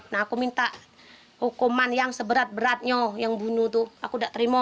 nah aku minta hukuman yang seberat beratnya yang bunuh tuh aku tidak terima